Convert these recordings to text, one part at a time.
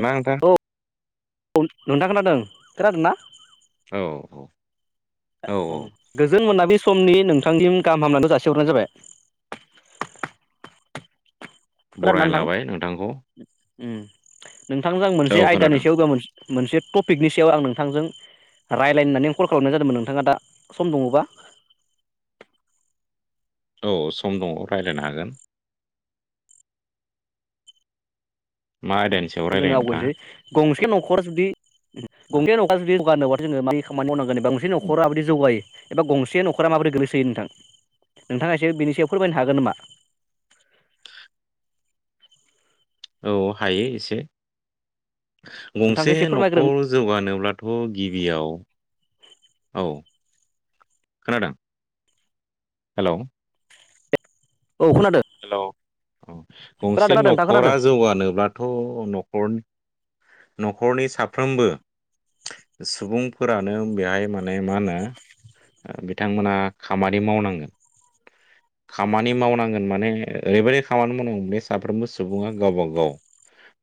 ना नोंथां औ-औ नोंथां खोनादों खोनादोंना? औ औ गोजोन मोनाबिलि। समनि नोंथांनिम गाहाम हामलांगखौ जासिहरनाय जाबाय। बरायना लाबाय नोंथांखौ। ओम नोंथांजों आं औ मोनसे आयदानि खोनादों सायाव बा मोन-मोनसे टपिकनि सायाव आं नोंथांजों। रायलायनो होननानै कल खालामनाय जादोंमोन नोंथाङा दा सम दङ'बा? औ सम दङ' रायलायनो हागोन। मा ओम आयदानि सायाव जोंङो रायज्लायनो आवगायनोसै गंसे न'खरा जुदि, नोंथाङा गंसे न'खरा जुदि जौगानोबाथ'। जोङो मानि खामानि मावनांगोन बे बांसिन न'खराबोदि जौगायो एबा गसे नख'रा माबोरै गोग्लैसोयो नोंथां? नोंथाङा एसे बेनि सायाव फोरमायनो हागोन नामा? [unintelligible] औ हायो एसे। नोंथांखौ गंसे एसे फोरमायग्रो न'खर जौगानोब्लाथ' गिबियाव औ। खोनादों? हेलौ! औ खोनादो। अ! गंसे न'खरा जौगानोब्लाथ' न'खरनि। न'खरनि साफ्रोमबो। सुबुंफोरानो बेहाय माने मा होनो। ओ बिथांमोना खामानि मावनांगोन। खामानि मावनांगोन माने ओरैबायदि खामानि मावनांगौ मे साफ्रोमबो सुबुङा गावबा -गाव।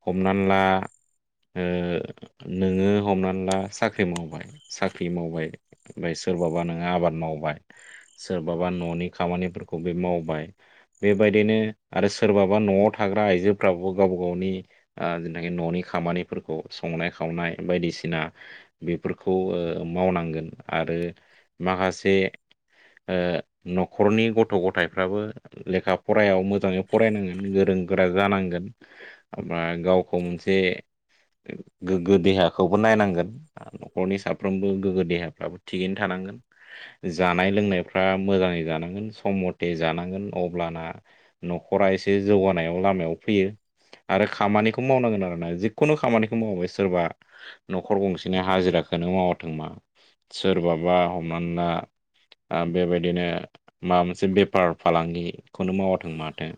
हमनानै ला‌। ओ नोङो हमनानै ला साख्रि मावबाय-साख्रि मावबाय बाय। सोरबाबा नोङो आबाद मावबाय सोरबाबा न'नि खामानिफोरखौ बे मावबाय बेबा। बेबायदिनो आरो सोरबाबा न'आव थाग्रा आइजोफ्राबो गावबा -गावनि ओ जेनाखि न'नि। खामानिफोरखौ संनाय -खावनाय बायदिसिना बेफोरखौ ओ मावनांगोन आरो। आरो माखासे। ओ न'खरनि गथ'-गथायफ्राबो लेखा फरायाव मोजाङै फरायनांगोन गोरों। गोरा जानांगोन ओमफ्राय गावखौ मोनसे। गोग्गो देहाखौबो नायनांगोन न'खरनि साफ्रोमबो गोग्गो देहाफ्राबो थिगैनो थानांगोन। जानाय- लोंनायफ्रा मोजाङै जानांगोन सम मथे जानांगोन अब्लाना। न'खरा एसे जौगानायाव लामायाव फैयो आरो खामानिखौ मावनांगोन आरोना। जि खुनु खामानिखौ मावबाय सोरबा न'खर गंसेनि हाजिराखौनो मावाथों मा सोरबाबा हमनानै ला ओ बेबायदिनो माबा मोनसे बेफार फालांगिखौनो मावाथों माथों,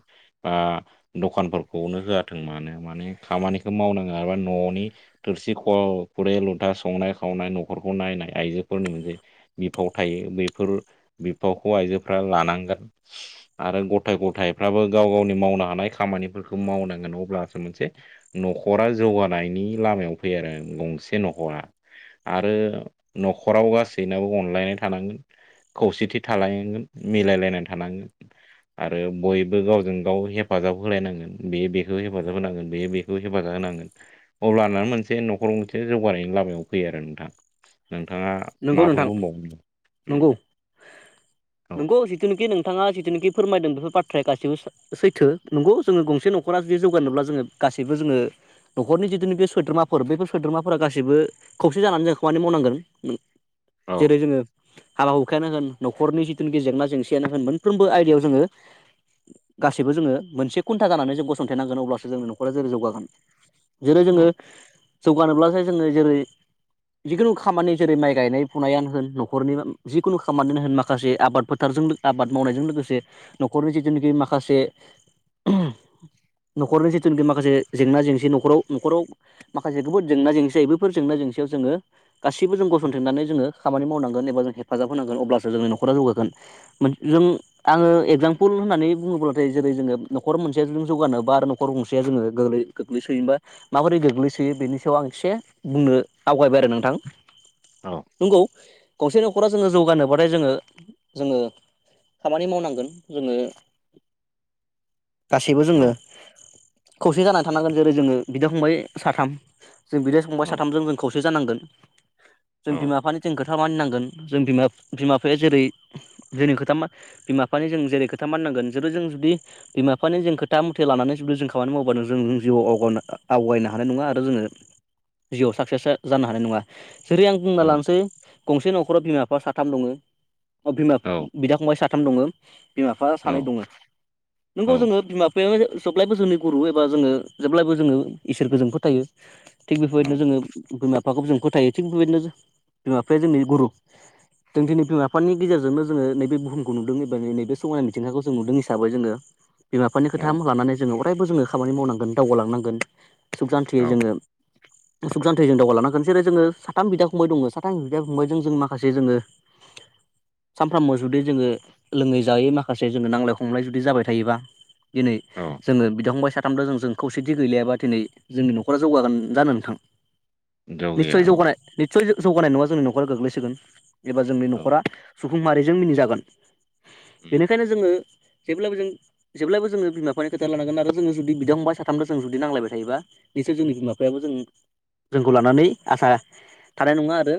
बा ना दखानफोरखौनो होआथों मानो माने खामानिखौ मावनांगोन माबा न'नि थोरसि ख फुरै लुथा संनाय खावनाय न'खरखौ नायनाय आइजोफोरनि मोनसे बिफाव थायो बेफोर बिफावखौ आइजोफोरा लानांगोन आरो गथ' गथायफ्राबो गाव गावनि मावनो हानाय खामानिफोरखौ मावनांगोन अब्लासो मोनसे न'खरा जौगानायनि लामायाव फैयो आरो गंसे न'खरा। आरो न'खराव गासैनाबो अनलायनाय थानांगोन। खौसेथि थालानांगोन मिलायलायनानै थानांगोन। आरो बयबो गावजों गाव हेफाजाब होलायनांगोन बेयो बेखौ हेफाजाब होनांगोन बेयो बेखौ हेफाजाब होनांगोन। अब्लाना मोनसे न'खराव मोनसे जौगानायनि लामायाव फैयो आरो नोंथां। नोंथाङा नंगौ माबाफोर नोंथां बुंबावनो उम नंगौ। औ नंगौ जिथुनिखि नोंथाङा जिथुनिखि फोरमायदों बेफोर बाथ्राया गासि गासैबो सैथो नंगौ जोङो गंसे न'खरा जुदि जौगानोब्ला जोङो गासैबो जोङो न'खरनि जिथुखि सोद्रोमाफोर बेफोर सोद्रोमाफोरा गासैबो खौसे जानानै जों खामानि मावनांगोन। औ जेरै जोङो हाबा हुखायानो होन, न'खरनि जिथुनाखि जेंना -जेंसिआनो होन मोनफ्रोमबो आयदायाव जोङो गासैबो जोङो मोनसे खुन्था जानानै जों गसंथ नांगोन अब्लासो जोंनि न'खरा जेरै जौगागोन। जेरै औ जोङो जौगानोब्लासो जोङो जेरै जिखुनु खामानि जेरै माइ गायनाय फुनायानो होन न'खरनि जिखुनु खामानियानो होन माखासे आबाद फोथारजों आबाद मावनायजों लोगो से न'खरनि जिथुनाखि माखासे नख'रनि जिथुनिखि माखासे जेंना जेंसि न'खराव नख'राव माखासे जोबोद जेंना जेंसि जायो बेफोर जेंना जोंसेयाव जोङो गासै गसिबो जों गसंथेनानै जोङो खामानि मावनांगोन एबा जों हेफाजाब होनांगोन अब्लासो जोंनि नख'रा जौगागोन। मोन जों आङो एगजाम्पोल होननानै बुङोब्लाथाय जेरै जोङो न'खर मोनसेया जों जौगानोबा आरो नखर गंसेया जोङो जोरै गोग्लैसोयोमबा माबोरै गोग्लैसोयो बेनि सायाव आं एसे बुंनो आवगायबाय आरो नोंथां। औ नंगौ गंसे न'खरा जोङो जौगानोबाथाय जोङो जोङो खामानि मावनांगोन जोङो [inaudible] गासैबो औ जोङो खौसे जानानै थानांगोन। जेरै जोङो बिदा फंबाय साथाम जों बिदा संबाय औ साथामजों जों खौसे जानांगोन जों औ बिमा बिफानि जों खोथा मानिनांगोन। जों बिमा बिमा बिफाया जेरै जोंनि खोथा बिमा बिफानि जों जेरै खोथा मानिनांगोन जेरै जों जुदि बिमा बिफानि जों खोथा मथे लानानै जुदि जों खामानि मावबानो जोंनि जिउआव आवगायनो हानाय नङा। आरो जोङो जिउआव साक्सेस जानो हानाय नङा। जेरै आं बुंना औ लानोसै गंसे न'खराव बिमा बिफा साथाम दङो। बिमा औ बिदा फंबाय साथाम दङो, बिमा बिफा सानै दङो। नोंगौ जोङो बिमा बिफाया जेब्लायबो जोंनि गुरु एबा जोङो जेब्लायबो जोङो इसोरखौ फोथायो। थिग औ बेफोरबायदिनो जोङो बिमा बिफाखौ जों फोथायो थिग बेबायदिनो बिमा बिफाया जोंनि गुरु। जों दिनै बिमा बिफानि गेजेरजोंनो जोङो नैबे बुहुमखौ नुदों एबा नैबे समायनानि मिथिंगाखौ जों नुदों हिसाबै जोङो बिमा बिफानि खोथा औ लानानै जोङो अरायबो जोङो खामानि मावनांगोन दावगालांनांगोन सुख जान्थियै औ जोङो सुखसान्थि जों दावगालांनांगोन जेरै जोङो साथाम बिदा फंबाय दङो, साथाम बिदा फंबायजों जों माखासे जोङो सानफ्रामबो जुदि जोङो लोङै जायै माखासे जोङो नांलाय खमलाय जुदि जाबाय थायोबा दिनै औ जोङो बिदा फंबाय साथामबो जों जों खौसेथि गैलायाबा दिनै जोंनि न'खरा जौगागोन जानो नोंथां? जौ गैया निसय औ जौगानाय निसय जौगानाय नङा जोंनि न'खराव गोग्लैसोगोन एबा जोंनि औ न'खरा सुबुं माहारिजों मिनिजागोन। औ बेनिखायनो जोङो जेब्लाायबो जों जेब्लाबो जोङो बिमा बिफानि खोथा लानांगोन आरो जोङो जुदि बिदा फंबाय साथामबो जों जुदि नांलायबाय थायोबा निसय जोंनि बिमा बिफायाबो जों जोंखौ लानानै आसा थानाय नङा आरो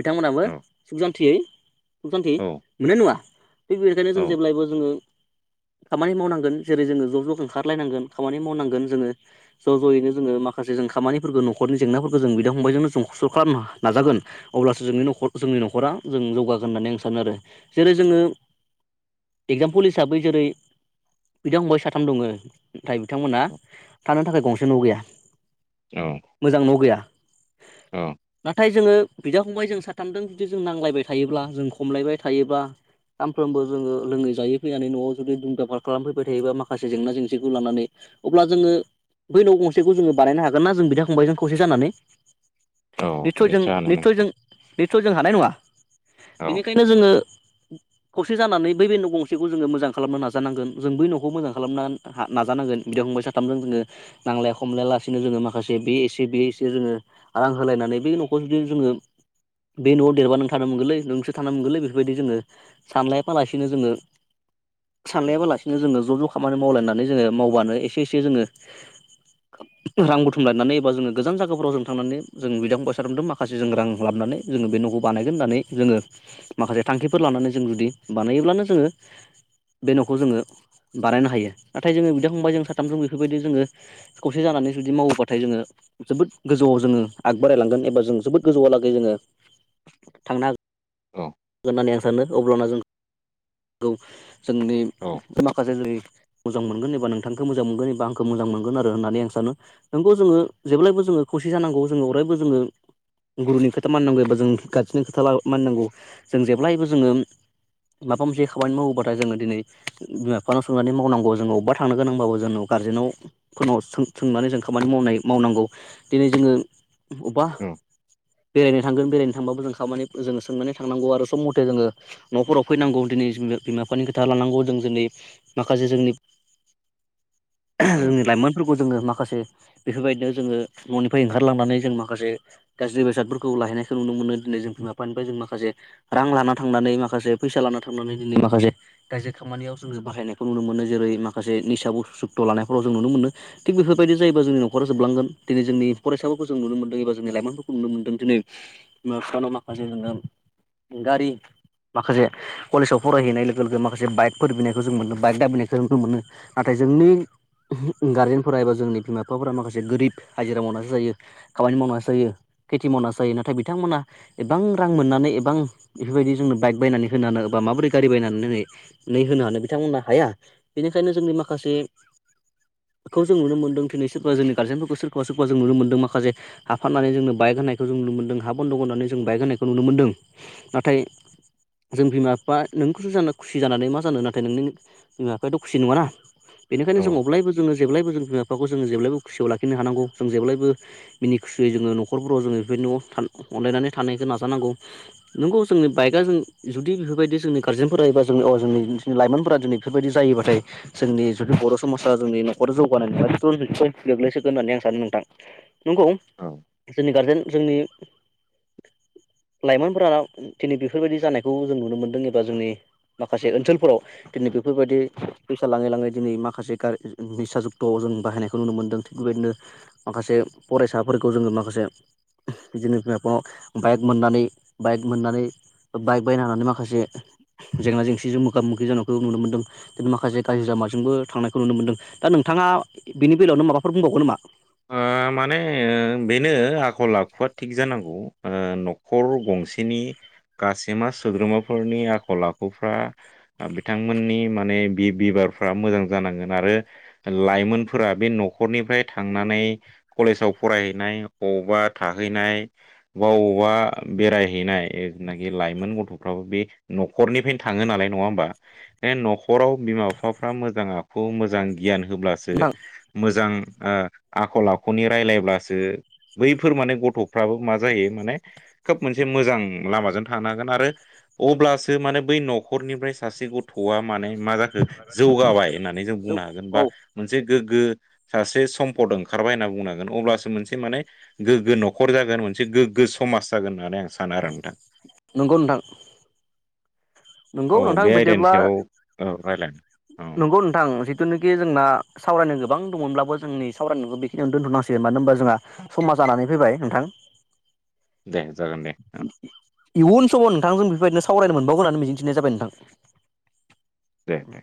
बिथांमोनाबो औ सुख जान्थियै सुखसान्थि मोननाय नङा थिग बेनिखायनो जों औ जेब्लायबो जोङो [inaudible] खामानि मावनांगोन जेरै जोङो ज' ज' ओंखारलायनांगोन खामानि मावनांगोन जोङो ज' ज'यैनो जोङो माखासे खामानिफोरखौ न'खरनि जेंनाफोरखौ जों बिदा फंबायजोंनो जों ज खौसे खालामनो नाजागोन अब्लासो जोंनि न'खर जोंनि न'खरा जों जौगागोन होननानै आं सानो आरो। जेरै जोङो एगजामपोल हिसाबै जेरै बिदा फंबाय साथाम दङमोन नाथाय बिथांमोनहा थानो थाखाय गंसे न' गैया। औ मोजां न' गैया। औ। नाथाय जोङो बिदा फंबाय जों साथामजों जुदि जों नांलायबाय थायोब्ला जों खमलायबाय थायोब्ला। सानफ्रोमबो जोङो लोङै जायै फैनानै न'आव जुदि दुम दाखाल खालामफैबाय थायोबा माखासे जेंना जेंसिखौ लानानै। अब्ला जोङो बै न' गंसेखौ जोङो बानायनो हागोन ना जों बिदा फंबाय जों खौसे जानानै? औ निसय जों निस्सय हानो नों निसय जों निसय जों हानाय नङा। औ बेनिखायनो जोङो खौसे जानानै बै बे न' गंसेखौ जोङो मोजां खालामनो नाजानांगोन जों बै न'खौ मोजां खालामनो नाजानांगोन बिदा फंबाय साथामजों जोङो नांलाय खमलाया लालासिनो जोङो माखासे बे एसे बे एसे जोङो रां होलायनानै बे न'खौ जुदि जोङो बे न'आव देरबा नों थानो मोनगोरलै नोंसो थानो मोनगलै बेफोरबायदि जोङो सानलायफायालासिनो जोङो सानलायाबालासिनो जोङो ज' ज' खामानि मावलायनानै जोङो मावबानो एसे एसे जोङो रां बुथुम लायनानै एबा जोङो गोजान जायगाफोराव जों थांनानै जों बिदाखौ फंबाय साथामजों माखासे जों रां खालामनानै जोङो बे न'खौ बानायगोन होननानै जोङो माखासे थांखिफोर लानानै जों जुदि बानायोब्लानो जोङो बे न'खौ जोङो बानायनो हायो नाथाय जोङो बिदा फंबाय जों साथामजों बेफोरबायदि जोङो खौसे जाना नानै जुदि मावबाय थायो जोबोद गोजौआव जोङो आगबारायलांगोन एबा जों जोबोद गोजौहालागै जोङो थांनो औ गोन होननानै आं सानो अब्लाना जों जोंनि औ माखासे जनि मोजां मोनगोन एबा नोंथांखौ मोजां मोनगोन एबा आखौ मोजां मोगोन आरो होननानैं सानो नोंगौ जोङो जेलायबो जोंङो जानांगौ जोङो अरायबो जोङो गुरुनि खोथा माननांगौ एबा जों गारज्रिनि खोथा मानिनांगौ। जों जेब्लायबो जोङो माबा मोनसे खामानि मावोबाथाय जोङो दिनै बिमा बिफानाव संनानै मावनांगौ अबेबा थांनो गोनांबाबो जोंनाव गारजेनावफोरनाव सों सोंनानै जों खामानि मावनाय मावनांगौ दिनै जोङो अबेबा औ बेरायनो थांगोन बेरायनो थांबाबो जों खामानि जोङो सोंनानै थांनांगौ आरो। सम मथे जोङो न फोराव फैनांगौ दिनै बिमा बिफानि खोथा लानांगौ जों दिनै माखासे जोंनि [unintelligible] जोंनि लाइमोनफोरखौ जोङो माखासे बेफोरबायदिनो जोङो न'निफ्राय ओंखारलांनानै जों माखासे गाज्रि बेसादफोरखौ लाहैनायखौ नुनो मोनो। [unintelligible] जों माखासे रां लाना थांनानै माखासे फैसा लाना थांनानै दिनै माखासे गाज्रि खामानियाव जोङो बाहायनायखौ नुनो मोनो जेरै माखासे निसा बुस सुक्त' लानायफोराव जों नुनो मोनो थिग बेफोरबायदि जायोबा जोंनि न'खरा जोबलांगोन दिनै जोंनि फरायसाफोरखौ जों नुनो मोनदों एबा जोंनि लाइमोनफोरखौ नुनो मोनदों दिनै बिमा बिफानाव माखासे जोङो गारि माखासे कलेजाव फरायहैनाय लोगो लोगो माखासे बाइकफोर बिनायखौ जों मोनो बाइक दाबिनायखौ जों मोनो नाथाय जोंनि गारजेनफोरा एबा जोंनि बिमा बिफाफोरा माखासे गोरिब हाजिरा मावनासो जायो खामानि मावनासो जायो। खेथि मावना जायो नाथाय बिथांमोनहा एबां रां मोननानै एबां बेफोरबायदि जोंनो बाइक बायनानै होनानो बा माबोरै गारि बायनानै नै होनो हानो बिथांमोना हाया बेनिखायनो जोंनि माखासे खौ जों नुनो मोनदों दिनै सोरबा जोंनि गार्जेनफोरखौ सोरखौबा सोरोखोबा जों नुनो मोनदों माखासे हाफनानै जोंनो बाइक होनायखौ जों नुनो मोनदों हा बन्द' होननानै जों बाइक होनायखौ नुनो मोनदों नाथाय जों बिमा बिफा नोंखौस ज खुसि जानानै मा जानो नाथाय नोंनि बिमा बिफायाथ' खुसि नङाना औ बेखायनोअब्लाबो जोङो जेलायबो जों बिमा बिफाखौ जोङो जेब्लाय खुसियाव लाखिनो हानांगौ जों जेलायबो मिनि खुसियै जोङो नखरफोराव जोङो बेफोरदि न'आव थान अनलायनानै थानायखौ नाजानांगौ नोंगौ जोंनि बाइकआ जों जुदि बेफोरबायदि जोंनि गारजेनफोरा एबा जोंनो अ जोंनि लाइमोनफोरा दिनै बेफोरबायदि जायो ऐबाथाय जोंनि जुदि बर' समाजा जोंनि न'खराव जौगानाय ज [unintelligible] गोग्लैसोगोन होननानै आं सानो मोन्थां [inaudible] नंगौ औ जोंनि गारजेन जोंनि लाइमोन फोरा दिनै बेफोरबायदि जानायखौ जों नुनो मोन्दों एबा जोंनि माखासे ओनसोलफोराव दिनै बेफोरबायदि फैसा लाङै लाङै दिनै माखासे गारि निसा जुक्त' अजन बाहायनायखौ नुनो मोन्दों थिग बेबायदिनो माखासे फरायसाफोरखौ जोङो माखासे बिदिनो बिमा बिफाङाव बाइक मोननानै बाइक मोननानै बाइक बायना होनानै माखासे जेंना जेंसिजों मोगा मोगि जानायखौ नुनो मोनदों माखासे गाज्रि लामाजोंबो थांनायखौ नुनो मोनदों दा नोंथां आ बेनि बेलायावनो माबाफोर बुंबावगोन नामा ओ माने बेनो आखल आखुआ थिग जानांगौ ओ न'खर गंसेनि गाासैमा सोद्रोमाफोरनि आखल आखुफ्रा बिथांमोननि माने बि बिबहारफोरा मोजां जानांगोन आरो लाइमोनफोरा बे न'खरनिफ्राय थांनानै कलेजाव फरायहैनाय अबा थाहैनाय बा अबावबा बेरायहैनाय जिथुनाखि लाइमोन गथ'फ्राबो बे न'खरनिफ्रायनो थाङो नालाय नङा होमबा न'खराव बिमा बिफाफ्रा मोजां आखु मोजां गियान होब्लासो नोंथां मोजां ओ आखल आखुनि राय्लायब्लासो बैफोर माने गथ'फ्राबो मा जायो माने खोब मोन मोनसे मोजां लामाजों थांनो हागोन आरो अब्लासो माने बै न'खरनिफ्राय सासे गथ'आ माने मा जाखो जौगाबाय होननानै जों बुंनो हागोन औ बा मोनसे गोग्गो सासे सम पद ओंखारबाय होनना बुंनांगोन अब्लासो मोनसे माने गोग्गो न'खर जागोन मोनसे गोग्गो समाज जागोन होननानै आं सानो आरो नोंथां नंगौ नोंथां नंगौ औ नोंथां बे आयदानि बिदिब्ला सायाव औ रायलायनो औ नंगौ नोंथां जिथुनाखि जोंना सावरायनो गोबां दंमोनब्लाबो जोंनि सावरायनायखौ बेखिनियावनो दोनथ'नांसिगोन मानो होनबा जोंहा समा जानानै फैबाय नोंथां। दे जागोन दे इयुन समाव नोंथां जों बेफोरबायदिनो सावरायनो मोनबावगोन होननानै मिजिंथिनाय जाबाय नोंथां दे दे